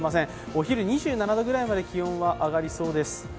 お昼、２７度くらいまで気温は上がりそうです。